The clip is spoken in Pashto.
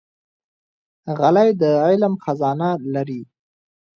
غلی، د علم خزانه لري.